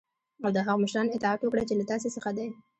او د هغه مشرانو اطاعت وکړی چی له تاسی څخه دی .